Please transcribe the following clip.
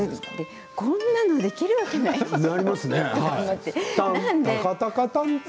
こんなのできるわけないでしょと。